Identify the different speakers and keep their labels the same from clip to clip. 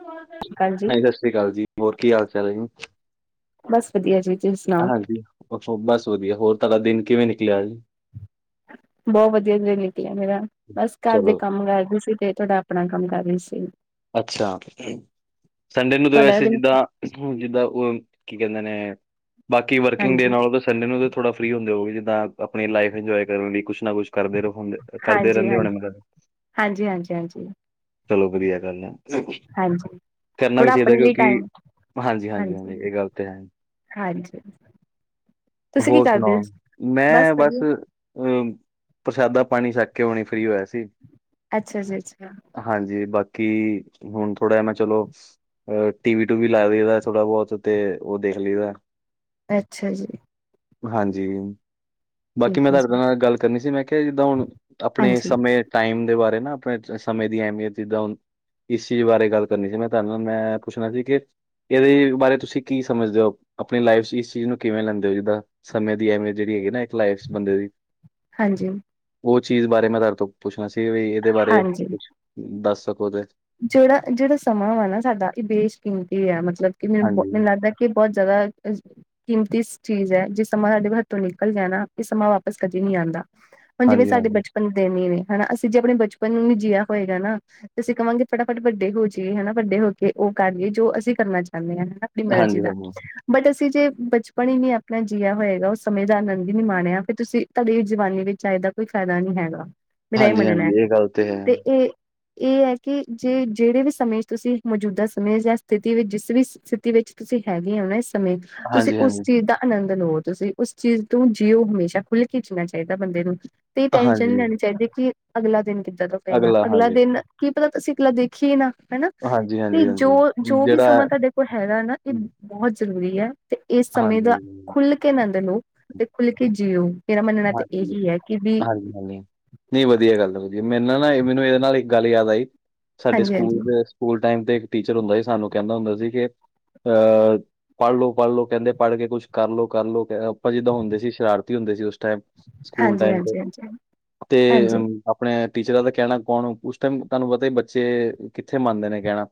Speaker 1: ਹਾਂਜੀ
Speaker 2: ਕਾਲ ਜੀ
Speaker 1: ਸਤਿ ਸ਼੍ਰੀ ਅਕਾਲ ਜੀ ਹੋਰ ਕੀ ਹਾਲ ਚਾਲ ਹੈ ਜੀ।
Speaker 2: ਬਸ ਵਧੀਆ ਜੀ ਤੁਸੀ ਸੁਣਾਓ।
Speaker 1: ਹਾਂਜੀ ਬਸ ਵਧੀਆ ਹੋਰ ਤੁਡਾ ਦਿਨ ਕਿਵੇਂ ਨਿਕਲਿਆਂ ਅੱਜ
Speaker 2: ਬਹੁਤ ਵਧੀਆ ਦਿ ਨਿਕਲਿਆਂ ਮੇਰਾ ਬਸ ਘਰ ਦੇ
Speaker 1: ਚਲੋ
Speaker 2: ਕੰਮ ਕਰਦੀ ਸੀ ਤੇ ਤੁਡਾ ਆਪਣਾ ਕੰਮ ਕਰ ਰਹੀ ਸੀ।
Speaker 1: ਅੱਛਾ ਸੰਡੇ ਨੂੰ ਤਾਂ
Speaker 2: ਤੁਹਾਡਾ
Speaker 1: ਵੈਸੇ
Speaker 2: ਦਿਨ
Speaker 1: ਜਿੱਦਾਂ ਹੁਣ ਜਿੱਦਾਂ ਉਹ ਕੀ ਕਹਿੰਦੇ ਨੇ ਬਾਕੀ ਵਰਕਿੰਗ ਡੇ
Speaker 2: ਹਾਂਜੀ
Speaker 1: ਨਾਲੋਂ ਤੇ ਸੰਡੇ ਨੂੰ ਤਾਂ ਥੋੜਾ ਫਰੀ ਹੁੰਦੇ ਹੋਗੇ ਜਿੱਦਾਂ ਆਪਣੀ ਲਾਈਫ਼ ਇੰਜੋਏ ਕਰਨ ਲਈ ਕੁਛ ਨਾ ਕੁਛ ਕਰਦੇ ਰਉ ਦੇ।
Speaker 2: ਹਾਂਜੀ- ਹਾਂਜੀ -ਹਾਂਜੀ -ਹਾਂਜੀ -ਹਾਂਜੀ।
Speaker 1: ਚਲੋਂ ਵਧੀਆ ਗੱਲ ਐ।
Speaker 2: ਹਾਂਜੀ
Speaker 1: ਕਰਨਾ ਵੀ
Speaker 2: ਥੋੜਾ
Speaker 1: ਚਾਹੀਂਦਾ
Speaker 2: ਆਪਣੇ ਲਈ
Speaker 1: ਕਿਉਂਕਿ
Speaker 2: ਟਾਈਮ
Speaker 1: ਹਾਂਜੀ- ਹਾਂਜੀ- ਹਾਂਜੀ ਇਹ ਗੱਲ ਤਾਂ ਹੈ।
Speaker 2: ਹਾਂਜੀ ਤੁਸੀਂ ਕੀ
Speaker 1: ਹੋਰ
Speaker 2: ਕਰਦੇ ਹੋ
Speaker 1: ਸੁਣਾਓ ਮੈਂ ਬਸ ਹੂੰ ਪ੍ਰਸ਼ਾਦਾ ਪਾਣੀ ਛੱਕ ਕੇ ਹੁਣੇ ਫਰੀ ਹੋਇਆ ਸੀ।
Speaker 2: ਅੱਛਾ ਜੀ ਅੱਛਾ
Speaker 1: ਹਾਂਜੀ ਬਾਕੀ ਹੁਣ ਥੋੜ੍ਹਾ ਜਾ ਮੈਂ ਚਲੋਂ ਆਹ ਟੀ ਵੀ ਟੂਵੀ ਲਾ ਦਈ ਦਾ ਥੋੜਾ ਬਹੁਤ ਤੇ ਉਹ ਦੇਖ ਲਈਦਾ।
Speaker 2: ਅੱਛਾ ਜੀ।
Speaker 1: ਹਾਂਜੀ ਬਾਕੀ
Speaker 2: ਠੀਕ
Speaker 1: ਮੈਂ
Speaker 2: ਹੈ
Speaker 1: ਤੁਹਾਡੇ
Speaker 2: ਜੀ
Speaker 1: ਨਾਲ ਗੱਲ ਕਰਨੀ ਸੀ ਮੈਂ ਕਿਹਾ ਜਿੱਦਾਂ ਹੁਣ ਆਪਣੇ
Speaker 2: ਹਾਂਜੀ
Speaker 1: ਸਮੇਂ ਟਾਈਮ ਦੇ ਬਾਰੇ ਨਾ ਆਪਣੇ ਸਮੇਂ ਦੀ ਅਹਿਮੀਅਤ ਜਿੱਦਾਂ ਇਸ ਚੀਜ਼ ਬਾਰੇ ਗੱਲ ਕਰਨੀ ਸੀ ਮੈਂ ਤੁਹਾਨੂੰ ਨਾਲ ਮੈਂ ਪੁੱਛਣਾ ਸੀ ਕਿ ਇਹਦੇ ਬਾਰੇ ਤੁਸੀਂ ਕੀ ਸਮਝਦੇ ਹੋ ਆਪਣੀ ਲਾਈਫ 'ਚ ਇਸ ਚੀਜ਼ ਨੂੰ ਕਿਵੇਂ ਲੈਂਦੇ ਹੋ ਜਿੱਦਾਂ ਸਮੇਂ ਦੀ ਅਹਿਮੀਅਤ ਜਿਹੜੀ ਹੈਗੀ ਐ ਨਾ, ਇੱਕ ਲਾਈਫ 'ਚ ਬੰਦੇ ਦੀ
Speaker 2: ਹਾਂਜੀ
Speaker 1: ਉਹ ਚੀਜ਼ ਬਾਰੇ ਮੈਂ ਤੁਹਾਡੇ ਤੋਂ ਪੁੱਛਣਾ ਸੀ ਵੀ ਇਹਦੇ ਬਾਰੇ
Speaker 2: ਹਾਂਜੀ
Speaker 1: ਕੁਛ ਦੱਸ ਸਕੋ ਤੇ
Speaker 2: ਜਿਹੜਾ -ਜਿਹੜਾ ਸਮਾਂ ਵਾ ਨਾ ਸਾਡਾ ਇਹ ਬੇਸ਼ਕੀਮਤੀ ਆ ਮਤਲਬ ਕਿ ਮੈ
Speaker 1: ਹਾਂਜੀ
Speaker 2: ਮੈਨੂੰ ਲੱਗਦਾ ਕੇ ਬਹੁਤ ਜ਼ਿਆਦਾ ਕੀਮਤੀ ਸ ਚੀਜ਼ ਐ ਜਿਸ ਸਮਾਂ ਸਾਡੇ ਹੱਥ ਤੋਂ ਨਿਕਲ ਜੇ ਨਾ ਇਹ ਸਮਾਂ ਵਾਪਸ ਕਦੇ ਨਹੀਂ ਆਉਂਦਾ। ਹੁਣ ਜਿਵੇਂ
Speaker 1: ਹਾਂਜੀ ਹਾਂਜੀ
Speaker 2: ਸਾਡੇ ਬਚਪਨ ਦੇ ਦਿਨ ਹੀ ਨੇ ਹਨਾ ਅਸੀਂ ਜੇ ਆਪਣੇ ਬਚਪਨ ਨੂੰ ਵੀ ਜੀਆ ਹੋਏਗਾ ਨਾ ਤੇ ਅਸੀਂ ਕਹਵਾਂਗੇ ਫਟਾਫਟ ਵੱਡੇ ਹੋ ਜਾਈਏ ਹਨਾ ਵੱਡੇ ਹੋ ਕੇ ਉਹ ਕਰੀਏ ਜੋ ਅਸੀਂ ਕਰਨਾ ਚਾਹੁੰਨੇ ਆ ਹਨਾ ਆਪਣੀ ਮਰਜ਼ੀ
Speaker 1: ਹਾਂਜੀ
Speaker 2: ਦਾ
Speaker 1: ਹਾਂਜੀ
Speaker 2: ਬਟ ਅਸੀਂ ਜੇ ਬਚਪਨ ਹੀ ਨੀ ਆਪਣਾ ਜੀਆ ਹੋਏਗਾ ਉਸ ਸਮੇਂ ਦਾ ਆਨੰਦ ਹੀ ਨਹੀਂ ਮਾਣਿਆਂ ਫਿਰ ਤੁਸੀ ਤੁਹਾਡੀ ਜਵਾਨੀ ਵਿੱਚ ਆ ਇਹਦਾ ਕੋਈ ਫਾਇਦਾ ਨੀ ਹੈਗਾ ਮੇਰਾ ਇਹ
Speaker 1: ਹਾਂਜੀ,
Speaker 2: ਮੰਨਣਾ ਐ
Speaker 1: ਹਾਂਜੀ ਇਹ ਗੱਲ ਹੈ।
Speaker 2: ਤੇ ਇਹ ਇਹ ਹੈ ਕਿ ਜੇ ਜਿਹੜੇ ਵੀ ਸਮੇਂ 'ਚ ਤੁਸੀਂ ਮੌਜੂਦਾ ਸਮੇਂ ਜਾਂ ਸਥਿਤੀ ਵਿੱਚ ਜਿਸ ਵੀ ਸਥਿਤੀ ਵਿੱਚ ਤੁਸੀਂ ਹੈਗੇ ਹੋ ਨਾ ਇਸ ਸਮੇਂ ਤੁਸੀ
Speaker 1: ਹਾਂਜੀ,
Speaker 2: ਉਸ
Speaker 1: ਹਾਂਜੀ,
Speaker 2: ਚੀਜ਼ ਦਾ ਆਨੰਦ ਲਓ ਤੁਸੀਂ ਉਸ ਚੀਜ਼ ਤੋਂ ਜੀਓ ਹਮੇਸ਼ਾ ਖੁੱਲ ਕੇ ਜੀਣਾ ਚਾਹੀਦਾ ਬੰਦੇ ਨੂੰ ਤੇ ਟੈਨਸ਼ਨ ਨੀ
Speaker 1: ਹਾਂਜੀ,
Speaker 2: ਲੈਣੀ ਚਾਹੀਦੀ ਕੀ ਅਗਲਾ ਦਿਨ ਕਿੱਦਾਂ ਤੋਂ ਪਏਗਾ ਅਗਲਾ ਦਿਨ ਕੀ ਪਤਾ ਤੁਸੀ ਪਲਾਂ ਦੇਖੀਏ ਨਾ ਹੈਨਾ
Speaker 1: ਹਾਂਜੀ,
Speaker 2: ਤੇ
Speaker 1: ਹਾਂਜੀ,
Speaker 2: ਜੋ
Speaker 1: ਹਾਂਜੀ
Speaker 2: ਜੋ ਵੀ
Speaker 1: ਜਿਹੜਾ ਹੈ,
Speaker 2: ਸਮਾਂ ਤਾਡੇ ਹੈਗਾ ਨਾ ਇਹ ਬੋਹੋਤ ਜ਼ਰੂਰੀ ਐ ਤੇ ਇਸ ਸਮੇਂ
Speaker 1: ਹਾਂਜੀ,
Speaker 2: ਦਾ ਖੁੱਲ ਕੇ ਆਨੰਦ ਲੋ ਤੇ ਖੁੱਲ ਕੇ ਜੀਓ ਮੇਰਾ ਮੰਨਣਾ ਤਾਂ ਇਹੀ ਐ ਕਿ ਵੀ
Speaker 1: ਸਹੀ ਗੱਲ ਐ। [inaudible] ਨਹੀਂ ਵਧੀਆ ਗੱਲ ਐ ਵਧੀਆਂ ਮੇਰਨਾ ਨਾ ਇਹ ਮੈਨੂੰ ਇਹਦੇ ਨਾਲ ਇੱਕ ਗੱਲ ਯਾਦ ਆਈ ਸਾਡੇ
Speaker 2: ਹਾਂਜੀ
Speaker 1: ਸਕੂਲ
Speaker 2: ਹਾਂਜੀ
Speaker 1: ਦੇ ਸਕੂਲ ਟਾਈਮ ਤੇ ਇੱਕ ਟੀਚਰ ਹੁੰਦਾ ਸੀ ਸਾਨੂੰ ਕਹਿੰਦਾ ਹੁੰਦਾ ਸੀ ਕਿ ਅਹ ਪੜ੍ਹ ਲੋ ਪੜ੍ਹ ਲੋ ਕਹਿੰਦੇ ਪੜ੍ਹ ਕੇ ਕੁਛ ਕਰ ਲੋ ਕਰ ਲੋ ਅਸੀ ਤਾਂ ਹੁੰਦੇ ਸੀ ਸ਼ਰਾਰਤੀ ਹੁੰਦੇ ਸੀ ਉਸ ਟਾਈਮ ਸਕੂਲ
Speaker 2: ਹਾਂਜੀ
Speaker 1: ਟਾਈਮ ਤੇ
Speaker 2: ਹਾਂਜੀ ਹਾਂਜੀ
Speaker 1: ਤੇ
Speaker 2: ਹਾਂਜੀ
Speaker 1: ਆਪਣੇ ਟੀਚਰਾਂ ਦਾ ਕਹਿਣਾ ਕੌਣ ਉਸ ਟਾਈਮ ਤਾਨੂ ਪਤਾ ਹੀ ਬੱਚੇ ਕਿੱਥੇ ਮੰਨਦੇ ਨੇ ਕਹਿਣਾ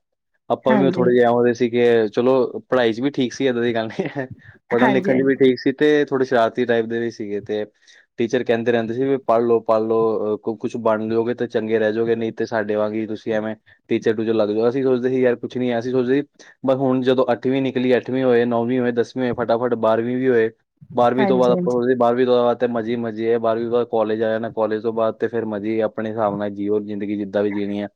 Speaker 1: ਆਪਾਂ ਵੀ ਉਹ
Speaker 2: ਹਾਂਜੀ,
Speaker 1: ਥੋੜ੍ਹੇ ਜਿਹੇ ਐ ਹੁੰਦੇ ਸੀ ਚਲੋਂ ਪੜ੍ਹਾਈ ਚ ਵੀ ਠੀਕ ਸੀ ਇਦਾਂ ਦੀ ਗੱਲ ਨੀ ਐ ਪੜ੍ਹਨ
Speaker 2: ਹਾਂਜੀ, ਹਾਂਜੀ,
Speaker 1: ਲਿਖਣ ਚ ਵੀ ਠੀਕ ਸੀ ਤੇ ਥੋੜੇ ਸ਼ਰਾਰਤੀ ਟਾਈਪ ਦੇ ਵੀ ਸੀਗੇ ਤੇ ਟੀਚਰ ਕਹਿੰਦੇ ਰਹਿੰਦੇ ਸੀ ਵੀ ਪੜ੍ਹ ਲੋ ਪੜ੍ਹ ਲਓ ਕੁਛ ਬਣ ਜੋਗੇ ਤੇ ਚੰਗੇ ਰੇਜੋਗੇ ਨਹੀਂ ਤੇ ਸਾਡੇ ਵਾਂਗ ਹੀ ਤੁਸੀਂ ਐਵੇਂ ਟੀਚਰ ਟੂਚਰ ਲੱਗ ਜਾਓ ਅਸੀਂ ਸੋਚਦੇ ਸੀ ਯਾਰ ਕੁਛ ਨੀਂ ਐ ਅਸੀਂ ਸੋਚਦੇ ਸੀ ਬਹ ਹੁਣ ਜਦੋਂ ਅੱਠਵੀਂ ਨਿਕਲੀ ਹੈ ਅੱਠਵੀਂ ਹੋਏ ਨੌਵੀਂ ਹੋਏ ਦਸਵੀਂ ਹੋਏ ਫਟਾਫਟ ਬਾਰਵੀਂ ਵੀ ਹੋਏ। ਬਾਰਵੀਂ ਤੋਂ ਬਾਅਦ
Speaker 2: ਹਾਂਜੀ,
Speaker 1: ਆਪਾਂ ਬਾਦ ਤੇ ਮਜੇ ਹੀ ਮਜੇ ਹੈ ਬਾਰਵੀ ਬਾਦ ਕੋਾਲਜ ਆ ਜਾਣਾ ਕੋਾਲਜ ਤੋਂ ਬਾਅਦ ਤੇ ਫਿਰ ਮਜੇ ਹੀ ਆਪਣੇ ਹਿਸਾਬ ਨਾਲ ਜੀਓ ਜ਼ਿੰਦਗੀ ਜੀ ਵੀ ਜੀਣੀਆਂ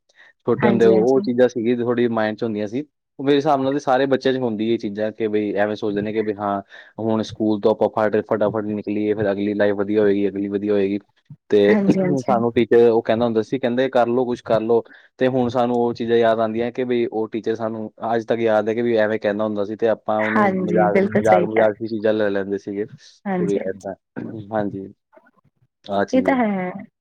Speaker 1: ਛੋਟੇ ਹੁੰਦੇ
Speaker 2: ਹਾਂਜੀ,
Speaker 1: ਉਹ
Speaker 2: ਹਾਂਜੀ।
Speaker 1: ਚੀਜ਼ਾਂ ਸੀਗੀ ਥੋੜੀ ਮਾਇੰਡ ਚ ਹੁੰਦੀਆਂ ਸੀ। ਉਹ ਮੇਰੇ ਹਿਸਾਬ ਨਾਲ ਤੇ ਸਾਰੇ ਬੱਚਿਆਂ 'ਚ ਹੁੰਦੀ ਇਹ ਚੀਜ਼ਾਂ ਕਿ ਬਈ ਐਵੇ ਸੋਚਦੇ ਨੇ ਕਿ ਬਈ ਹਾਂ ਹੁਣ ਸਕੂਲ ਤੋਂ ਆਪਾਂ ਫਾਟ ਫਟਾਫਟ ਨੀ ਲੀ ਫਿਰ ਅਗਲੀ ਲਾਈਫ ਵਧੀਆ ਹੋਏਗੀ ਅਗਲੀ ਵਧੀਆ ਹੋਏਗੀ ਤੇ
Speaker 2: ਹਾਂਜੀ, ਹਾਂਜੀ,
Speaker 1: ਸਾਨੂੰ ਤੇ ਉਹ ਕਹਿੰਦਾ ਹੁੰਦਾ ਸੀ ਕਹਿੰਦੇ ਕਰਲੋ ਕੁੱਛ ਕਰਲ ਲੋ ਤੇ ਹੁਣ ਸਾਨੂੰ ਉਹ ਚੀਜ਼ਾਂ ਯਾਦ ਆਂਦੀਆ ਕਿ ਬਈ ਉਹ ਟੀਚਰ ਸਾਨੂੰ ਅਜ ਤਕ ਯਾਦ ਹੈ ਕਿ ਬਈ ਐਵੇ ਕਹਿੰਦਾ ਹੁੰਦਾ ਸੀ ਤੇ ਆ ਹਾ ਉਹਨੂੰ
Speaker 2: ਹਾਂਜੀ
Speaker 1: ਮਜ਼ਾਕ- ਮਜ਼ਾਕ- ਮਜ਼ਾਕ ਚ ਹੀ ਚੀਜਾ ਲੈ ਲੈਂਦੇ ਸੀਗੇ। ਤੇ
Speaker 2: ਹਾਂਜੀ-ਹਾਂਜੀ
Speaker 1: ਏਦਾਂ ਹਾਂਜੀ ਆਹ
Speaker 2: ਇਹ
Speaker 1: ਚੀਜ
Speaker 2: ਤਾਂ
Speaker 1: ਹੈ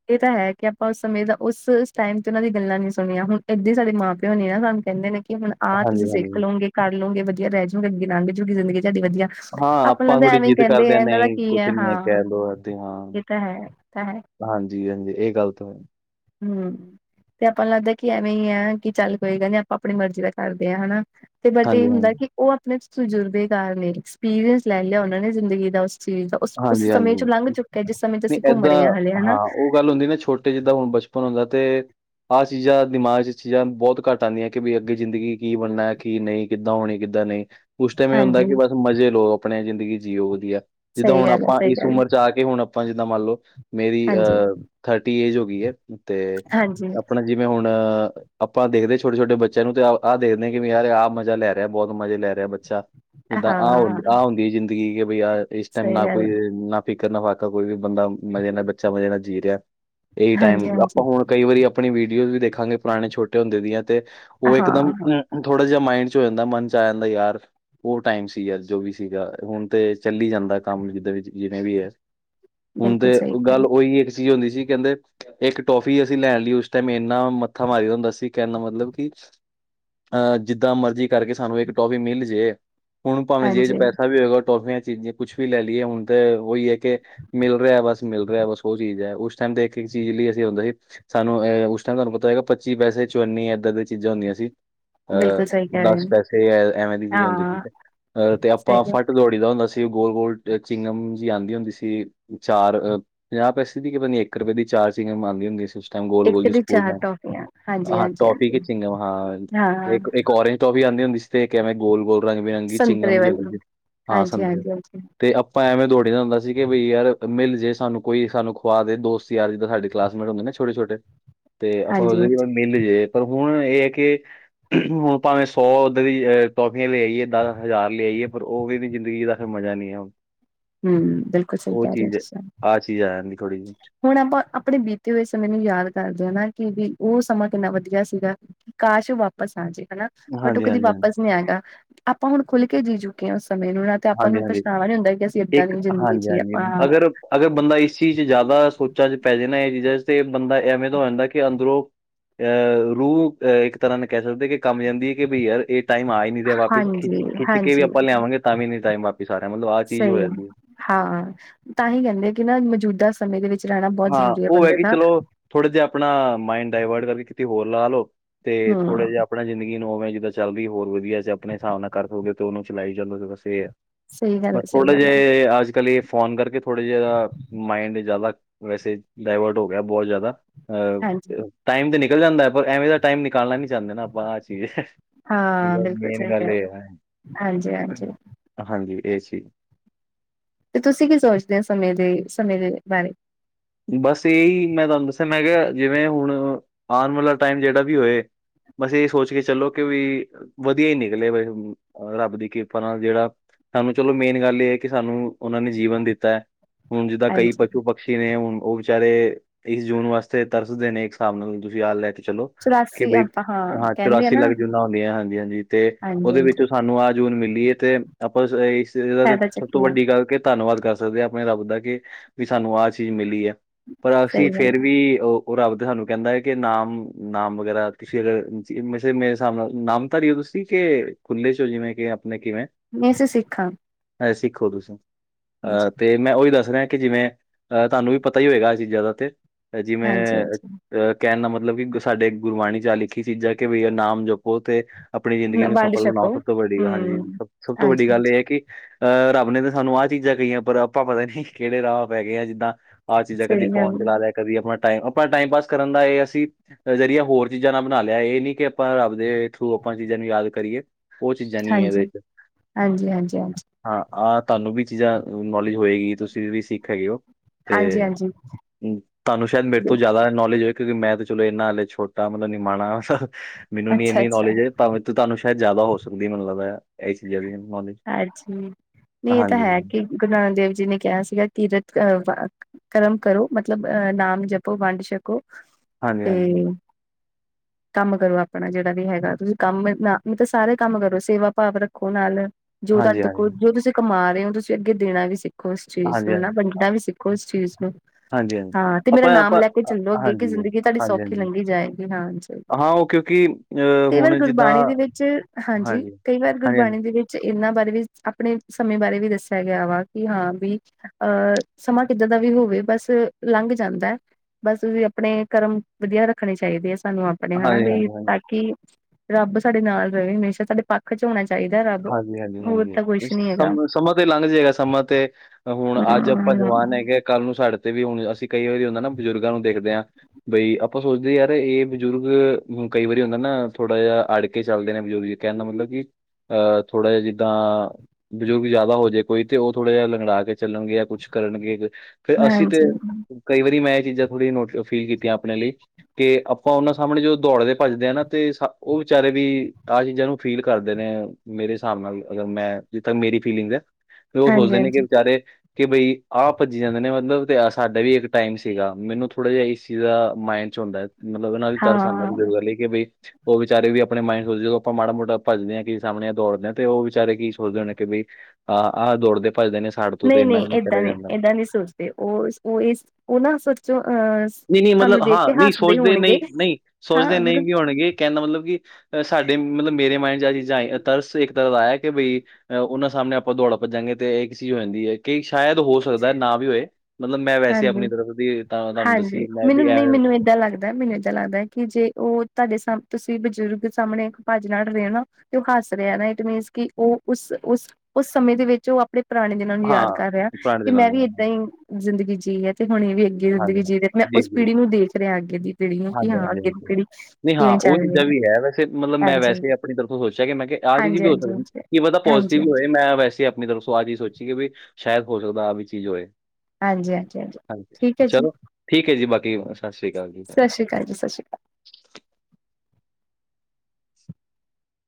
Speaker 2: ਇਹ ਤਾਂ ਹੈ ਕਿ ਆਪਾ ਉਸ ਸਮੇਂ ਦਾ ਉਸਸ ਟਾਈਮ ਤੇ ਉਹਨਾਂ ਦੀ ਗੱਲਾਂ ਨ ਸੁਣੀਆਂ ਹੁਣ ਏਦੀ ਸਾਡੇ ਮਾਂ ਪਿਓ ਨੇ ਨਾ ਸਾਨੂੰ ਕਹਿੰਦੇ ਨੇ ਕਿ ਹੁਣ ਆਹ ਤੁਸੀਂ ਸਿਖ
Speaker 1: ਹਾਂਜੀ-ਹਾਂਜੀ।
Speaker 2: ਲੋਂਗੇ ਕਰ ਲੋਂਗੇ ਵਧੀਆ ਰਹਿ ਜੋਗੇ ਤੇ ਅਗੇ ਲੰਘ ਜੂਗੀ ਜ਼ਿੰਦਗੀ ਤੁਹਾਡੀ ਵਧੀਆ।
Speaker 1: ਹਾਂ
Speaker 2: ਆਪਣਾ
Speaker 1: ਆਪਾਂ
Speaker 2: ਤਾਂ
Speaker 1: ਬੜੀ
Speaker 2: ਐਵੇਂ
Speaker 1: ਜਿਦ
Speaker 2: ਕਹਿੰਦੇ
Speaker 1: ਕਰਦੇ
Speaker 2: ਆ
Speaker 1: ਹ
Speaker 2: ਇਹਨਾਂ ਦਾ
Speaker 1: ਨਹੀ
Speaker 2: ਕੀ
Speaker 1: ਕੁਛ ਨੀ ਹੈ
Speaker 2: ਹਾਂ
Speaker 1: ਕਹਿ ਲੋਓ ਤੇ ਹੁਨ
Speaker 2: ਇਹ ਤਾਂ ਹੈ ਇਹ ਤਾਂ ਹੈ।
Speaker 1: ਹਾਂਜੀ- ਹਾਂਜੀ ਇਹ ਗੱਲ ਤੋ
Speaker 2: ਹਮ ਤੇ ਆਪਾਂ ਨੂੰ ਲਗਦਾ ਕਿ ਐਵੇਂ ਹੀ ਹੈ ਕਿ ਚਲ ਕੋਈ ਗੱਲ ਨੀ ਆਪਾ ਆਪਣੀ ਮਰਜ਼ੀ ਦਾ ਕਰਦੇ ਹਾਂ ਹਨਾ? ਤੇ ਬਟ ਇਹ
Speaker 1: ਹਾਂਜੀ,
Speaker 2: ਹੁੰਦਾ
Speaker 1: ਹਾਂਜੀ।
Speaker 2: ਕਿ- [inaudible] ਉਹ ਆਪਣੇ ਤਜ਼ੁਰਬੇਕਾਰ ਨੇ ਐਕਸਪੀਰੀਅੰਸ ਲੈ ਲਿਆ ਉਹਨਾਂ ਨੇ ਜ਼ਿੰਦਗੀ ਦਾ ਉਸ ਚੀਜ਼ ਦਾ ਉਸ ਉਸ
Speaker 1: ਹਾਂਜੀ,
Speaker 2: ਸਮੇਂ ਚੋਂ ਲੰਘ
Speaker 1: ਹਾਂਜੀ।
Speaker 2: ਚੁਕੇ ਜਿਸ ਸਮੇਂ ਚ
Speaker 1: ਨਹੀਂ
Speaker 2: ਅਸੀ ਘੁੰਮ
Speaker 1: ਏਦਾਂ
Speaker 2: ਰਹੇ ਹਾਂ ਹਲੇ ਹਨਾ ਓ
Speaker 1: ਗੱਲ ਹੁੰਦੀ ਨਾ ਛੋਟੇ ਜਿਦਾ ਹੁਣ ਬਚਪਨ ਹੁੰਦਾ ਤੇ ਆਹ ਚੀਜਾ ਦਿਮਾਗ ਚ ਚੀਜਾ ਬਹੁਤ ਘੱਟ ਆਂਦੀ ਕਿ ਵੀ ਅੱਗੇ ਜ਼ਿੰਦਗੀ ਕੀ ਬਣਨਾ ਐ ਕੀ ਨਹੀ ਕਿਦਾ ਹੋਣੀ ਕਿਦਾ ਨਹੀਂ ਉਸ ਟਾਈਮ ਇਹ ਹੁੰਦਾ
Speaker 2: ਹਾਂਜੀ
Speaker 1: ਕਿ ਬਸ ਮਜ਼ੇ ਲੋ ਆਪਣੇ ਜ਼ਿੰਦਗੀ ਜਿਉ ਵਦੀਆ। ਜਿਦਾ
Speaker 2: ਸਹੀ
Speaker 1: ਹੁਣ
Speaker 2: ਗੱਲ ਹੈ
Speaker 1: ਆਪਾਂ
Speaker 2: ਸਹੀ
Speaker 1: ਇਸ
Speaker 2: ਗੱਲ ਹੈ।
Speaker 1: ਉਮਰ ਚ ਆ ਕਿ ਹੁਣ ਆਪਾਂ ਜਿਦਾ ਮੰਨ ਲਓ ਮੇਰੀ ਅ
Speaker 2: ਹਾਂਜੀ
Speaker 1: ਥਰਟੀ ਏਜ ਹੋ ਗਈ ਹੈ ਤੇ
Speaker 2: ਹਾਂਜੀ
Speaker 1: ਆਪਣੇ ਜਿਵੇ ਹੁਣ ਆਪਾਂ ਦੇਖਦੇ ਛੋਟੇ- ਛੋਟੇ ਬੱਚੇ ਨੂੰ ਤੇ ਆ ਆਹ ਦੇਖਦੇ ਕਿ ਵੀ ਯਾਰ ਆਹ ਮਜ਼ਾ ਲੈ ਰਿਹਾ ਬਹੁਤ ਮਜ਼ੇ ਲੈ ਰਿਹਾ ਬੱਚਾ। ਜਿਦਾਂ ਆਹ ਹੂੰ
Speaker 2: ਹਾਂ
Speaker 1: ਆਹ ਹੁੰਦੀ ਜ਼ਿੰਦਗੀ ਕਿ ਬਈ ਇਸ ਟਾਈਮ
Speaker 2: ਸਹੀ
Speaker 1: ਨਾ
Speaker 2: ਗੱਲ
Speaker 1: ਕੋਈ
Speaker 2: ਹੈ।
Speaker 1: ਨਾ ਫ਼ਿਕਰ ਨਾ ਫਾਕਾ ਕੋਈ ਵੀ ਬੰਦਾ ਮਜ਼ੇ ਨਾਲ ਬੱਚਾ ਮਜੇ ਨਾਲ ਜੀ ਰੀਐ ਇਹੀ ਟਾਈਮ
Speaker 2: ਹਾਂਜੀ
Speaker 1: ਆਪਾ
Speaker 2: ਹਾਂਜੀ
Speaker 1: ਹੁਣ ਕਈ ਵਰੀ ਆਪਣੀ ਵੀਡੀਓਜ਼ ਵੀ ਦੇਖਾਂਗੇ ਪੁਰਾਣੇ ਛੋਟੇ ਹੁੰਦੇ ਦੀਆਂ ਤੇ
Speaker 2: ਹਾਂ
Speaker 1: ਉਹ ਇਕਦਮ
Speaker 2: ਹਾਂ
Speaker 1: ਥੋੜਾ ਜਿਹਾ ਮਾਈਡ 'ਚ ਹੋ ਜਾਂਦਾ ਮਨ ਚ ਆ ਜਾਂਦਾ ਹੈ ਯਾਰ ਉਹ ਟਾਈਮ ਸੀਗਾ ਜੋ ਵੀ ਸੀਗਾ ਹੁਣ ਤੇ ਚਲੀ ਜਾਂਦਾ ਏ ਕੰਮ ਜਿਦਾ ਵਿਚ ਜਿਵੇ ਵੀ ਹੈ ਹੁਣ
Speaker 2: ਬਿਲਕੁਲ
Speaker 1: ਤੇ
Speaker 2: ਸਹੀ
Speaker 1: ਗੱਲ ਉਹੀ ਇਕ ਚੀਜ਼ ਹੁੰਦੀ ਸੀ ਕਹਿੰਦੇ ਇਕ ਟੋਫੀ ਅਸੀ ਲੈਣ ਲਈ ਉਸ ਟਾਈਮ ਐਨਾ ਮਥਾ ਮਾਰੀ ਦਾ ਹੁੰਦਾ ਸੀ ਕੇਹਂਦਾ ਮਤਲਬ ਕਿ ਅਹ ਜਿਦਾ ਮਰਜ਼ੀ ਕਰਕੇ ਸਾਨੂੰ ਇਕ ਟੋਫੀ ਮਿਲ ਜੈ ਹੁਣ ਭਾਵੇ ਜੇਬ 'ਚ
Speaker 2: ਹਾਂਜੀ
Speaker 1: ਪੈਸਾ ਵੀ ਹੋਏਗਾ ਟੋਫੀਆਂ ਚੀਜ ਕੁਛ ਵੀ ਲੈ ਲਈਏ ਹੁਣ ਤੇ ਉਹੀ ਹੈ ਕਿ- ਮਿਲ ਰਿਹਾ ਬਸ ਮਿਲ ਰਿਹਾ ਬਸ ਉਹ ਚੀਜ਼ ਹੈ ਉਸ ਟਾਈਮ ਤੇ ਇਕ- ਇਕ ਚੀਜ਼ ਲਈ ਅਸੀ ਹੁੰਦੇ ਸੀ। ਸਾਨੂੰ ਅਹ ਉਸ ਟਾਈਮ ਤੁਹਾਨੂੰ ਪਤਾ ਹੈਗਾ। ਪੱਚੀ ਪੈਸੇ, ਚੁਨੀ ਇਦਾ ਦੀਆ ਚੀਜਾ ਹੁੰਦੀਆਂ ਸੀ। ਅਹ
Speaker 2: ਬਿਲਕੁਲ ਸਹੀ ਕਹਿ ਰਹੇ
Speaker 1: ਦਸ
Speaker 2: ਹੋ।
Speaker 1: ਪੈਸੇ ਐਵੇ ਦੀ ਚੀਜ਼ਾਂ ਹੁਦੀ ਸੀ
Speaker 2: ਹਾਂ
Speaker 1: ਤੇ। ਅਹ ਤੇ
Speaker 2: ਸਹੀ
Speaker 1: ਆਪਾਂ
Speaker 2: ਗੱਲ।
Speaker 1: ਫੱਟ ਦੌੜ ਮਿਲਦਾ ਹੁੰਦਾ ਸੀ, ਗੋਲ- ਗੋਲ ਚਿੰਗਮ ਜੀ ਆਉਦੀ ਹੁੰਦੀ ਸੀ। ਚਾਰ ਅ ਪੰਜਾਹ ਪੈਸੇ ਦੀ ਕਿ ਪਤਾ ਨਹੀਂ ਇਕ ਰੁਪਏ ਦੀ ਚਾਰ ਸਿੰਗਮ ਆਉਂਦੀ ਹੁੰਦੀ ਸੀ ਉਸ ਗੋਲ- ਗੋਲ
Speaker 2: ਇੱਕ
Speaker 1: ਜੀ
Speaker 2: ਦੀ
Speaker 1: ਸਕੂਲ
Speaker 2: ਚਾਰ
Speaker 1: ਟਾਈਮ ਚ।
Speaker 2: ਟੋਫੀਆਂ ਹਾਂਜੀ
Speaker 1: ਹ
Speaker 2: ਹਾਂਜੀ
Speaker 1: ਟੋਫੀ ਕੀ
Speaker 2: ਹਾਂਜੀ
Speaker 1: ਚਿੰਗਮ ਹਾਂ
Speaker 2: ਹਾਂ
Speaker 1: ਔਰਂਜ ਟੋਫੀ ਆਉਦੀ ਹੁੰਦੀ ਸੀ ਤੇ, ਕਿਵੇ ਗੋਲ- ਗੋਲ ਰੰਗ ਬਿਰੰਗੀ ਚਿੰਗਮ
Speaker 2: ਸੰਤਰੇ
Speaker 1: ਦੀ ਹੁੰਦੀ
Speaker 2: ਵਾਲੀ
Speaker 1: ਸੀ। ਹਾਂ
Speaker 2: ਹਾਂਜੀ,
Speaker 1: ਸੰ
Speaker 2: ਹਾਂਜੀ, ਹਾਂਜੀ।
Speaker 1: ਤੇ ਆਪਾਂ ਐਵੇਂ ਦੌੜੀਦਾ ਹੁੰਦਾ ਸੀ। ਕਿ ਬਈ ਯਾਰ ਮਿਲ ਜੇ ਸਾਨੂੰ, ਕੋਈ ਸਾਨੂੰ ਖਵਾ ਦੇ ਦੋਸਤ ਰ ਜੀਦਾ ਸਾਡੇ ਕਲਾਸਮੇਟ ਹੁੰਦੇ ਨਾ ਛੋਟੇ- ਛੋਟੇ ਤੇ ਆਪਾ
Speaker 2: ਹਾਂਜੀ, ਹਾਂਜੀ
Speaker 1: ਮਿਲ ਜੇ ਪਰ ਹੁਣ ਇਹ ਹੈ। ਕਿ- ਹੁਣ ਭਾਵੇਂ ਸੌ ਉਧਰ ਦੀ ਟੋਫੀਆਂ ਲਿਆ ਆਈਏ, ਦਸ ਹਜ਼ਾਰ ਲਿਆ ਆਈਏ, ਪਰ ਉਹ ਵੀ ਦੀ ਜਿਦਗੀ ਦਾ ਮਜਾ ਨਹੀਂ ਹੈ। ਉਹ-
Speaker 2: ਹੂੰ ਬਿਲਕੁਲ- ਸਹੀ
Speaker 1: ਉਹ
Speaker 2: ਕਹਿ ਰਹੇ ਹੋ
Speaker 1: ਚੀਜ਼,
Speaker 2: ਤੁਸੀਂ।
Speaker 1: ਆਹ ਚੀਜ਼ ਆ ਜਾਦੀ ਥੋੜੀ ਜਿਹੀ।
Speaker 2: ਹੁਣ ਆਪਾਂ ਆਪਣੇ ਬੀਤੇ ਹੋਏ ਸਮੇਂ ਨੂੰ ਯਾਦ ਕਰਦੇ ਹਾਂ। ਨਾ ਕਿ ਵੀ ਉਹ ਸਮਾਂ ਕਿਨਾ ਵਧੀਆ ਸੀਗਾ। ਕਾਸ਼ ਉਹ ਵਾਪਸ ਆ ਜੇ ਹਨਾ। ਬਟ ਉਹ
Speaker 1: ਹਾਂਜੀ
Speaker 2: ਕਦੀ
Speaker 1: ਹਾਂਜੀ ਹਾਂਜੀ
Speaker 2: ਵਾਪਸ ਨੀ ਆਏਗਾ। ਆਪਾਂ ਹੁਣ ਖੁੱਲ ਕੇ ਜੀ ਚੁੱਕੇ ਹਾਂ ਉਸ ਸਮੇਂ ਨੂੰ, ਨਾ। ਤੇ ਆਪਾਂ
Speaker 1: ਹਾਂਜੀ
Speaker 2: ਨੂੰ
Speaker 1: ਹਾਂਜੀ
Speaker 2: ਪਛਤਾਵਾ ਨੀ ਹੁੰਦਾ ਕਿ ਅਸੀਂ ਏਦਾਂ
Speaker 1: ਇੱਕ,
Speaker 2: ਦੀ ਜ਼ਿੰਦਗੀ
Speaker 1: ਹਾਂਜੀ-
Speaker 2: ਜੀ ਆਪਾਂ
Speaker 1: ਹਾਂਜੀ, ਅਗਰ ਅਗਰ ਬੰਦਾ ਇਸ ਚੀਜ਼ ਚ, ਜ਼ਿਆਦਾ ਸੋਚਾਂ ਚ ਪੈ ਜੇ, ਨਾ ਇਹ ਚੀਜ਼ਾਂ ਚ, ਤੇ ਬੰਦਾ ਐਵੇਂ ਦਾ ਹੋ ਜਾਂਦਾ ਕਿ ਅੰਦਰੋਂ ਅ ਰੂਹ ਅ ਇੱਕ ਤਰਾਂ ਨਾਲ ਕਹਿ ਸਕਦੇ, ਕਿ ਕੰਮ ਜਾਂਦੀ ਐ। ਕਿ ਬਈ ਯਾਰ ਇਹ ਟਾਈਮ ਆਏ। ਵਾਪਿਸ ਖਿੱਚ,
Speaker 2: ਹਾਂਜੀ,
Speaker 1: ਖਿੱਚ ਕੇ ਵੀ
Speaker 2: ਹਾਂਜੀ
Speaker 1: ਆਪਾਂ ਲਿਆਵਾਂਗੇ ਤਾਂ ਵੀ, ਨਹੀਂ ਇਹ ਟਾਈਮ ਵਾਪਿਸ ਆਣਾ, ਮਤਲਬ ਆ ਚੀਜ਼
Speaker 2: ਸਹੀ
Speaker 1: ਹੋ
Speaker 2: ਹੈ
Speaker 1: ਜਾਂਦੀ ਐ।
Speaker 2: ਹਾਂ। ਤਾਂ ਹੀ ਕਹਿੰਦੇ ਕਿ ਨਾ, ਮੌਜੂਦਾ ਸਮੇਂ ਦੇ ਵਿੱਚ ਰਹਿਣਾ ਬਹੁਤ ਜ਼ਰੂਰੀ ਹੈ ਬੰਦੇ ਦਾ।
Speaker 1: ਥੋੜੇ ਜਾ ਆਪਣਾ ਮਾਇੰਡ, ਡਾਇਵਰਟ ਕਰਕੇ ਕਿਤੇ ਹੋਰ ਲਾ ਲਓ। ਤੇ ਥੋੜੇ
Speaker 2: ਹੂੰ।
Speaker 1: ਜਿ ਆਪਣਾ ਜ਼ਿੰਦਗੀ ਨੂੰ ਉਵੇਂ ਜਿੱਦਾਂ ਚੱਲਦੀ, ਹੋਰ ਵਧੀਆ ਚ ਆਪਣੇ ਹਿਸਾਬ ਨਾਲ ਕਰ ਸਕਦੇ ਹੋ। ਤੇ ਉਹਨੂੰ ਚਲਾਈ ਜਾਂਓ ਬਸ ਇਹ ਆ।
Speaker 2: ਸਹੀ ਗੱਲ ਹੈ,
Speaker 1: ਬਸ
Speaker 2: ਸਹੀ
Speaker 1: ਥੋੜਾ
Speaker 2: ਗੱਲ
Speaker 1: ਜੇ
Speaker 2: ਹੈ
Speaker 1: ਅੱਜ ਕੱਲ, ਇਹ ਫੋਨ ਕਰਕੇ ਥੋੜਾ ਜਿਹਾ ਮਾਇੰਡ ਜ਼ਿਆਦਾ ਵੈਸੇ ਡਾਇਵਰਟ, ਹੋ ਗਿਆ ਬਹੁਤ ਜ਼ਿਆਦਾ,
Speaker 2: ਹਾਂਜੀ
Speaker 1: ਅਹ ਟਾਈਮ ਤੇ ਨਿਕਲ ਜਾਂਦਾ, ਪਰ ਐਵੇਂ ਦਾ ਟਾਈਮ ਨਿਕਾਲਣਾ ਨੀ, ਚਾਹੁੰਦੇ ਨਾ ਆਪਾਂ ਆਹ ਚੀਜ਼ ਐ।
Speaker 2: ਹਾਂ
Speaker 1: ਮਤਲਬ
Speaker 2: ਬਿਲਕੁਲ
Speaker 1: ਮੇਨ
Speaker 2: ਸਹੀ
Speaker 1: ਗੱਲ ਇਹ
Speaker 2: ਹੈ
Speaker 1: ਐ,
Speaker 2: ਹਾਂਜੀ, ਹਾਂਜੀ।
Speaker 1: ਹਾਂਜੀ ਇਹ ਚੀ।
Speaker 2: ਤੇ ਤੁਸੀਂ ਕੀ ਸੋਚਦੇ ਹੋ, ਸਮੇਂ ਦੇ- ਸਮੇਂ ਦੇ ਬਾਰੇ?
Speaker 1: ਬਸ ਇਹੀ ਮੈਂ ਤੁਹਾਨੂੰ ਦੱਸਿਆ, ਮੈਂ ਕਿਹਾ ਜਿਵੇਂ ਹੁਣ ਆਉਣ, ਵਾਲਾ ਟਾਈਮ ਜਿਹੜਾ ਵੀ ਹੋਏ। ਬਸ ਇਹ ਸੋਚ ਕੇ ਚਲੋਂ, ਕਿ ਵੀ ਵਧੀਆ ਹੀ ਨਿਕਲੇ। ਬਈ ਰੱਬ ਦੀ ਕਿਰਪਾ ਨਾਲ, ਜਿਹੜਾ ਸਾਨੂੰ ਚਲੋਂ ਮੇਨ ਗੱਲ ਇਹ ਐ, ਕਿ ਸਾਨੂੰ ਉਹਨਾਂ ਨੇ ਜੀਵਨ ਦਿੱਤਾ ਐ। ਹੁਣ ਜਿੱਦਾਂ ਕਈ
Speaker 2: ਹਾਂਜੀ
Speaker 1: ਪਸ਼ੂ- ਪਕਸ਼ੀ ਨੇ ਹੁਣ ਉਹ ਵਿਚਾਰੇ ਇਸ ਜੂਨ ਵਾਸਤੇ ਤਰਸਦੇ ਨੇ। ਇੱਕ ਹਿਸਾਬ ਨਾਲ ਤੁਸੀਂ ਆ ਲੈ ਤੇ ਚਲੋਂ। ਕਿ
Speaker 2: ਚੁਰਾਸੀ
Speaker 1: ਬਈ
Speaker 2: ਆਪਾਂ
Speaker 1: ਹਾਂ
Speaker 2: ਕਹਿੰਦੇ ਆ
Speaker 1: ਚੁਰਾਸੀ
Speaker 2: ਨਾ
Speaker 1: ਲੱਖ ਜੂਨਾ ਹੁੰਦੀਆਂ। ਹਾਂਜੀ- ਹਾਂਜੀ ਤੇ
Speaker 2: ਹਾਂਜੀ
Speaker 1: ਉਹਦੇ
Speaker 2: ਹਾਂਜੀ
Speaker 1: ਵਿੱਚੋਂ ਸਾਨੂੰ ਆਹ ਜੂਨ ਮਿਲੀ ਏ, ਤੇ ਆਪਾਂ ਇਸ ਇਹ
Speaker 2: ਫਾਇਦਾ
Speaker 1: ਸਭ ਤੋਂ
Speaker 2: ਚੱਕੀ ਆ
Speaker 1: ਵੱਡੀ ਗੱਲ ਕਿ ਧੰਨਵਾਦ ਕਰ ਸਕਦੇ ਆ। ਆਪਣੇ ਰੱਬ ਦਾ ਕੇ, ਵੀ ਸਾਨੂੰ ਆਹ ਚੀਜ਼ ਮਿਲੀ ਐ। ਪਰ ਅਸੀਂ,
Speaker 2: ਸਹੀ ਗੱਲ
Speaker 1: ਫੇਰ
Speaker 2: ਆ
Speaker 1: ਵੀ ਉਹ ਉਹ ਰੱਬ ਤੇ ਸਾਨੂੰ ਕਹਿੰਦਾ ਐ, ਕਿ ਨਾਮ। ਨਾਮ ਵਗੈਰਾ ਤੇ ਫੇਰ ਜਾ, ਮੇਰੇ ਹਿਸਾਬ ਨਾਲ। ਨਾਮ ਧਾਰੀ ਹੋ ਤੁਸੀਂ? ਕਿ ਖੁੱਲੇ ਚੋਂ, ਜਿਵੇਂ ਕਿ ਆਪਣੇ ਕਿਵੇਂ?
Speaker 2: ਨਹੀਂ ਅਸੀਂ ਸਿੱਖਾਂ
Speaker 1: ਹ ਸਿੱਖੋ ਤੁਸੀਂ,
Speaker 2: ਹਾਂਜੀ
Speaker 1: ਅਹ ਤੇ ਮੈਂ ਉਹੀ ਦੱਸ ਰਿਹਾ, ਕਿ ਜਿਵੇ ਅਹ ਤੁਹਾਨੂੰ ਵੀ ਪਤਾ ਹੀ ਹੋਏਗਾ। ਇਹ ਚੀਜ਼ਾਂ ਦਾ ਤੇ
Speaker 2: ਹਾਂਜੀ
Speaker 1: ਜਿਵੇਂ
Speaker 2: ਹਾਂਜੀ
Speaker 1: ਅਹ ਕਹਿਣ ਦਾ ਮਤਲਬ ਕਿ, ਸਾਡੇ ਗੁਰਬਾਣੀ ਚ ਆ ਲਿਖੀ ਚੀਜ਼ਾਂ, ਕਿ ਬਈ ਨਾਮ ਜਪੋ ਤੇ ਆਪਣੀ ਜ਼ਿੰਦਗੀ ਨੂੰ
Speaker 2: ਵੰਡ
Speaker 1: ਸਫਲ ਬਣਾਉ।
Speaker 2: ਛਕੋ
Speaker 1: ਸਭ ਤੋਂ ਵੱਡੀ ਹਾਂਜੀ,
Speaker 2: ਹਮ
Speaker 1: ਸ ਸਭ ਤੋਂ
Speaker 2: ਹਾਂਜੀ
Speaker 1: ਵੱਡੀ ਗੱਲ
Speaker 2: ਹਾਂਜੀ
Speaker 1: ਇਹ ਹੈ ਕਿ ਅਹ ਰੱਬ ਨੇ ਤਾਂ ਸਾਨੂੰ, ਆਹ ਚੀਜ਼ਾਂ ਕਹੀਆਂ, ਪਰ ਆਪਾਂ ਪਤਾ ਹੀ ਨੀ, ਕਿਹੜੇ ਰਾਹ ਪੈ ਗਏ ਆ ਜਿੱਦਾਂ ਆਹ ਚੀਜ਼ਾਂ ਕਦੀ
Speaker 2: ਸਹੀ
Speaker 1: ਫੋਨ
Speaker 2: ਗੱਲ
Speaker 1: ਚਲਾ
Speaker 2: ਆ,
Speaker 1: ਲਿਆ, ਕਦੀ ਆਪਣਾ ਟਾਈ ਆਪਣਾ, ਟਾਈਮ ਪਾਸ ਕਰਨ ਦਾ ਇਹ ਆ ਅਸੀਂ ਜ਼ਰੀਆ ਹੋਰ ਚੀਜ਼ਾਂ, ਨਾਲ ਬਣਾ ਲਿਆ, ਇਹ ਨੀ ਕਿ ਆਪਾਂ ਰੱਬ ਦੇ ਥਰੂ ਆਪਾਂ, ਚੀਜ਼ਾਂ ਨੂੰ ਯਾਦ ਕਰੀਏ। ਉਹ ਚੀਜ਼ਾਂ, ਨੀ ਆ
Speaker 2: ਹਾਂਜੀ
Speaker 1: ਇਹਦੇ ਚ।
Speaker 2: ਹਾਂਜੀ ਹਾਂਜੀ ਹਾਂਜੀ
Speaker 1: ਹਾਂ, ਆਹ ਤੁਹਾਨੂੰ ਵੀ ਚੀਜ਼ਾਂ, ਨੌਲੇਜ ਹੋਏਗੀ, ਤੁਸੀਂ ਵੀ ਸਿੱਖ ਹੈਗੇ ਹੋ।
Speaker 2: ਹਾਂਜੀ
Speaker 1: ਤੇ
Speaker 2: ਹਾਂਜੀ
Speaker 1: ਤੁਹਾਨੂੰ ਸ਼ਾਇਦ ਮੇਰੇ ਤੋਂ, ਜ਼ਿਆਦਾ ਨੌਲੇਜ ਹੋਏ, ਕਿਉਂਕਿ ਮੈਂ ਤੇ ਚਲੋਂ, ਇਹਨਾਂ ਹਲੈ ਛੋਟਾ ਮਤਲਬ ਨਿਮਾਣਾ। ਮੈਨੂੰ ਨੀ
Speaker 2: ਅੱਛਾ
Speaker 1: ਇੰਨੀ
Speaker 2: ਅੱਛਾ
Speaker 1: ਨੌਲੇਜ ਐ। ਤਾਂ ਤੁਹਾਨੂੰ ਸ਼ਾਇਦ ਜ਼ਿਆਦਾ ਹੋ ਸਕਦੀ ਐ, ਮੈਨੂੰ ਲੱਗਦਾ ਇਹ ਚੀਜ਼ਾਂ ਦੀ ਨੌਲੇਜ।
Speaker 2: ਹਾਂਜੀ ਨਹੀਂ ਇਹ ਤਾਂ
Speaker 1: ਹਾਂਜੀ
Speaker 2: ਹੈ ਕਿ ਗੁਰੂ ਨਾਨਕ ਦੇਵ ਜੀ ਨੇ ਕਿਹਾ ਸੀਗਾ ਕੀਰਤ ਵ ਕਰਮ ਕਰੋ ਮਤਲਬ ਅਹ ਨਾਮ ਜਪੋ ਵੰਡ ਛਕੋ
Speaker 1: ਹਾਂਜੀ
Speaker 2: ਤੇ
Speaker 1: ਹਾਂਜੀ
Speaker 2: [inaudible] ਕੰਮ ਕਰੋ ਆਪਣਾ ਜਿਹੜਾ ਵੀ ਹੈਗਾ ਤੁਸੀ ਕੰਮ ਨਾ ਮਤਲਬ ਸਾਰੇ ਕੰਮ ਕਰੋ ਸੇਵਾ ਭਾਵ ਰੱਖੋ ਨਾਲ ਜੋ
Speaker 1: ਹਾਂਜੀ ਹਾਂਜੀ
Speaker 2: ਤੁਹਾਡੇ ਕੋਲ
Speaker 1: ਹਾਂਜੀ
Speaker 2: ਜੋ ਤੁਸੀਂ ਕਮਾ ਰਹੇ ਹੋ ਤੁਸੀ ਅੱਗੇ ਦੇਣਾ ਵੀ ਸਿੱਖੋ ਇਸ ਚੀਜ਼
Speaker 1: ਹਾਂਜੀ ਹਾਂਜੀ
Speaker 2: ਨੂੰ ਨਾ ਵੰਡਣਾ ਵੀ ਸਿੱ ਉਸ ਚੀਜ਼ ਨੂੰ
Speaker 1: ਹਾਂਜੀ ਹਾਂਜੀ।
Speaker 2: ਹਾਂ ਤੇ ਮੇਰਾ
Speaker 1: ਆਪਾਂ
Speaker 2: ਨਾਮ
Speaker 1: ਆਪਾਂ
Speaker 2: ਲੈ ਕੇ
Speaker 1: ਅ-
Speaker 2: ਚੱਲੋਂ ਅੱਗੇ ਕਿ
Speaker 1: ਹਾਂਜੀ
Speaker 2: ਜ਼ਿੰਦਗੀ ਤੁਹਾਡੀ
Speaker 1: ਹਾਂਜੀ
Speaker 2: ਸੌਖੀ
Speaker 1: ਹਾਂਜੀ
Speaker 2: ਲੰਘੀ ਜਾਏਗੀ ਹਾਂ ਜੀ।
Speaker 1: ਹਾਂ ਉਹ ਕਿਉਂਕਿ ਅ,
Speaker 2: ਕਈ ਵਾਰ
Speaker 1: ਹੁਣ ਜਿੱਦਾਂ
Speaker 2: ਗੁਰਬਾਣੀ ਦੇ ਵਿੱਚ ਹਾਂਜੀ ਕਈ ਵਾਰ
Speaker 1: ਹਾਂਜੀ
Speaker 2: ਗੁਰਬਾਣੀ ਦੇ ਵਿੱ ਜੇ ਇਹਨਾਂ ਬਾਰੇ ਵੀ ਆਪਣੇ ਸਮੇਂ ਬਾਰੇ ਵੀ ਦੱਸਿਆਂ ਗਿਆ ਵਾ ਕਿ ਹਾਂ ਵੀ ਅਹ ਸਮਾਂ ਕਿੱਦਾਂ ਦਾ ਵੀ ਹੋਵੇ ਬਸ ਲੰਘ ਜਾਂਦਾ। ਬਸ ਤੁਸੀ ਆਪਣੇ ਕਰਮ ਵਧੀਆ ਰੱਖਣੇ ਚਾਹੀਦੇ ਆ ਸਾਨੂੰ ਆ ਪਣੇ ਹਨਾ
Speaker 1: ਹਾਂਜੀ ਹਾਂਜੀ
Speaker 2: ਵੀ ਤਾਂ ਕਿ ਰੱਬ ਸਾਡੇ ਨਾਲ ਰਹੇ ਹਮੇਸ਼ਾ ਸਾਡੇ ਪੱਖ 'ਚ ਹੋਣਾ ਚਾਹੀਂਦਾ ਰੱਬ
Speaker 1: ਜੀ ਹਾਂਜੀ- ਹਾਂਜੀ-
Speaker 2: ਹੋਰ
Speaker 1: ਹਾਂਜੀ।
Speaker 2: ਤਾਂ ਕੁਛ ਨੀ ਹੈਗਾ
Speaker 1: ਸਮ ਸਮਾਂ ਤੇ ਲੰਘ ਜੇ ਗਾ ਸਮਾਂ ਤੇ ਹੁਣ ਅੱਜ ਆਪਾਂ ਜਵਾਨ
Speaker 2: ਹਮ
Speaker 1: ਹੈਗੇ ਐ ਕੱਲ੍ਹ ਨੂੰ ਸਾਡੇ ਤੇ ਵੀ ਹੁਣ ਅਸੀਂ ਕਈ ਵਾਰੀ ਹੁੰਦਾ ਨਾ ਬਜ਼ੁਰਗਾਂ ਨੂੰ ਦੇਖਦੇ ਹਾਂ। ਬਈ ਆਪਾਂ ਸੋਚਦੇ ਯਾਰ ਇਹ ਬਜ਼ੁਰਗ ਹੁਣ ਕਈ ਵਾਰੀ ਹੁੰਦਾ ਨਾ ਥੋੜਾ ਜਿਹਾ ਅੜ ਕੇ ਚੱਲਦੇ ਨੇ ਬਜ਼ੁਰਗ ਕਹਿਣ ਦਾ ਮਤਲਬ ਕਿ ਅਹ ਥੋੜਾ ਜਿਹਾ ਜਿੱਦਾਂ ਬਜ਼ੁਰਗ ਜਿਆਦਾ ਹੋ ਜਾਏ ਕੋਈ ਤੇ ਉਹ ਥੋੜਾ ਜਿਹਾ ਲੰਘੜਾਕੇ ਚੱਲਣਗੇ ਜਾਂ ਕੁਛ ਕਰਨਗੇ। ਫਿਰ ਅਸੀਂ ਤੇ
Speaker 2: ਹਾਂਜੀ
Speaker 1: ਕਈ ਵਾਰੀ ਮੈਂ ਇਹ ਚੀਜ਼ਾਂ ਥੋੜ੍ਹੀ ਨੋਟ ਫੀਲ ਕੀਤੀਆਂ ਆਪਣੇ ਲਈ ਕੇ ਆਪਾਂ ਉਹਨਾਂ ਸਾਹਮਣੇ ਜਦੋਂ ਦੌੜਦੇ ਭੱਜਦੇ ਹ ਨਾ ਤੇ ਉਹ ਵਿਚਾਰੇ ਵੀ ਆਹ ਚੀਜ਼ਾਂ ਨੂੰ ਫੀਲ ਕਰਦੇ। ਮੇਰੇ ਹਿਸਾਬ ਨਾਲ ਅਗਰ ਮੈਂ ਜਿਥੇ ਤਕ ਮੇਰੀ ਫੀਲਿੰਗ ਹੈ ਤੇ ਉਹ
Speaker 2: ਹਾਂਜੀ
Speaker 1: ਸੋਚਦੇ ਨੇ ਕਿ
Speaker 2: ਹਾਂਜੀ
Speaker 1: ਵਿਚਾਰੇ ਕਿ ਬਈ ਆਹ ਭੱਜੀ ਜਾਂਦੇ ਨੇ ਮਤਲਬ ਤੇ ਆਹ ਸਾਡਾ ਵੀ ਇੱਕ ਟਾਈਮ ਸੀਗਾ ਮੈਨੂੰ ਥੋੜ੍ਹਾ ਜਿਹਾ ਇਸ ਚੀਜ਼ ਦਾ ਮਾਇੰਡ 'ਚ ਹੁੰਦਾ। ਮਤਲਬ ਇਹਨਾਂ ਦੀ ਤਰਸ ਆਂਦਾ
Speaker 2: ਹਾਂ
Speaker 1: ਕਈ ਵਾਰ ਲੇਕਿ ਬਈ ਉਹ ਵਿਚਾਰੇ ਵੀ ਆਪਣੇ ਮਾਇੰਡ ਸੋਚਦੇ ਆਪਾਂ ਮਾੜਾ ਮੋਟਾ ਭੱਜਦੇ ਆ ਕੀ ਸਾਹਮਣੇ ਆ ਦੌੜਦੇ ਆ ਤੇ ਉਹ ਵਿਚਾਰੇ ਕੀ ਸੋਚਦੇ ਹੋਣੇ ਕਿ ਬਈ ਆਹ- ਆਹ ਦੌੜਦੇ ਭੱਜਦੇ ਨੇ ਸਾਡੇ ਤੋਂ ਤੇ
Speaker 2: ਨਹੀਂ-
Speaker 1: ਇੰਨਾ
Speaker 2: ਨਹੀਂ
Speaker 1: ਵੀ
Speaker 2: ਏਦਾਂ
Speaker 1: ਕਰਿਆ ਜਾਂਦਾ
Speaker 2: ਨਹੀਂ- ਏਦਾਂ ਨਹੀਂ ਸੋਚਦੇ ਉਹ -ਉਹ -ਉਹ ਨਾ ਸੋਚੋ ਅਹ
Speaker 1: ਨਹੀਂ ਨਹੀਂ ਮਤਲਬ
Speaker 2: ਸਾਨੂੰ ਦੇਖ
Speaker 1: ਹਾਂ
Speaker 2: ਕੇ
Speaker 1: ਨਹੀਂ
Speaker 2: ਹੱਸਦੇ
Speaker 1: ਸੋਚਦੇ
Speaker 2: ਹੋਣਗੇ
Speaker 1: ਨਹੀ ਨਹੀਂ
Speaker 2: ਹਾਂ
Speaker 1: ਸੋਚਦੇ ਨਹੀ
Speaker 2: ਮਤਲਬ
Speaker 1: ਵੀ ਹੋਣਗੇ ਕਹਿੰਦਾ ਮਤਲਬ ਕਿ ਸਾਡੇ ਮਤਲਬ ਮੇਰੇ ਮਾਇੰਡ 'ਚ ਆਹ ਚੀਜ਼ਾਂ ਤਰਸ ਇੱਕ ਤਰ੍ਹਾਂ ਦਾ ਆਇਆ ਕਿ ਬਈ ਅਹ ਉਹਨਾਂ ਸਾਹਮਣੇ ਆਪਾਂ ਦੌੜ ਭੱਜਾਂਗੇ ਤੇ ਇਹ ਇੱਕ ਚੀਜ਼ ਹੋ ਜਾਂਦੀ ਹੈ। ਕਿ ਸ਼ਾਇਦ ਹੋ ਸਕਦਾ ਨਾ ਵੀ ਹੋਏ ਮਤਲਬ ਮੈਂ ਵੈਸੇ
Speaker 2: ਹਾਂਜੀ
Speaker 1: ਆਪਣੀ ਤਰਫ਼ ਦੀ ਤਾਂ ਤੁਹਾਨੂੰ ਦੱਸੀ।
Speaker 2: ਹਾਂਜੀ
Speaker 1: ਮੈਂ ਵੀ
Speaker 2: ਮੈਨੂੰ
Speaker 1: ਐ
Speaker 2: ਨਹੀਂ ਮੈਨੂੰ ਏਦਾਂ ਲੱਗਦਾ। ਮੈਨੂੰ ਤਾਂ ਲੱਗਦਾ ਕਿ ਜੇ ਉਹ ਤੁਹਾਡੇ ਸ ਤੁਸੀ ਬਜ਼ੁਰਗ ਸਾਹਮਣੇ ਇੱਕ ਭੱਜ ਨਾਲ ਰਹੇ ਨਾ ਤੇ ਹੱਸ ਰਿਹਾ ਨਾ ਇਟ ਮੀਨਸ ਕਿ ਉਹ ਉਸ- ਉਸ- ਉਸ ਸਮੇਂ ਦੇ ਵਿੱਚ ਉਹ ਆਪਣੇ ਪੁਰਾਣੇ ਦਿਨਾਂ ਨੂੰ ਯਾਦ
Speaker 1: ਹਾਂ,
Speaker 2: ਕਰ ਰਿਹਾ
Speaker 1: ਪੁਰਾਣੇ
Speaker 2: ਕਿ
Speaker 1: ਦਿਨਾਂ
Speaker 2: ਮੈਂ
Speaker 1: ਨੂੰ
Speaker 2: ਵੀ
Speaker 1: ਹਾਂ,
Speaker 2: ਏਦਾਂ ਹੀ ਜ਼ਿੰਦਗੀ ਜੀ ਹੈ ਤੇ ਹੁਣੇ ਵੀ
Speaker 1: ਹਾਂਜੀ,
Speaker 2: ਜ਼ਿੰਦਗੀ
Speaker 1: ਹਾਂ।
Speaker 2: ਜੀ ਰਿਹਾ ਮੈਂ ਉਸ
Speaker 1: ਜੀ।
Speaker 2: ਪੀੜੀ ਨੂੰ ਦੇਖ ਰਿਹਾ ਅੱਗੇ ਦੀ ਪੀੜੀ ਨੂੰ ਕਿ ਹਾਂ ਅੱਗੇ ਦੀ ਪੀੜੀ
Speaker 1: ਨਹੀ ਹਾਂ ਉਹ ਚੀਜ਼ਾਂ ਵੀ ਹੈ ਵੈਸੇ ਮਤਲਬ ਮੈਂ ਵੈਸੇ ਆਪਣੀ ਤਰਫੋਂ ਸੋਚਿਆ ਕਿ ਮੈਂ ਕਿਹਾ ਆਹ ਚੀਜ਼
Speaker 2: ਹਾਂਜੀ ਹਾਂਜੀ
Speaker 1: ਵੀ ਹੋ ਸਕਦੀ।
Speaker 2: ਹਾਂਜੀ
Speaker 1: ਕੀ ਬਤਾ
Speaker 2: ਹਾਂਜੀ ਹਾਂਜੀ
Speaker 1: ਪੋਜ਼ੀਟਿਵ ਵੀ ਹੋਏ ਮੈਂ ਵੈਸੇ ਆਪਣੀ ਤਰਫ ਆਹ ਚੀਜ਼ ਸੋਚੀ ਕਿ ਵੀ ਸ਼ਾਇਦ ਹੋ ਸਕਦਾ ਆ ਵੀ ਚੀਜ਼ ਹੋਏ।
Speaker 2: ਹਾਂਜੀ -ਹਾਂਜੀ -ਹਾਂਜੀ ਠੀਕ ਹੈ ਜੀ।
Speaker 1: ਠੀਕ ਹੈ ਜੀ ਬਾਕੀ ਸਤਿ ਸ਼੍ਰੀ ਅਕਾਲ ਜੀ
Speaker 2: ਸਤਿ ਸ਼੍ਰੀ ਅਕਾਲ ਜੀ ਸਤਿ ਸ਼੍ਰੀ ਅਕਾਲ।